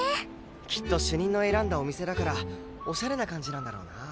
きっと主任の選んだお店だからおしゃれな感じなんだろうなあ。